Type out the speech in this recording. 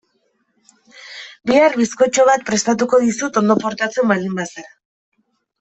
Bihar bizkotxo bat prestatuko dizut ondo portatzen baldin bazara.